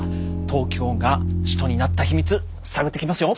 東京が首都になった秘密探ってきますよ。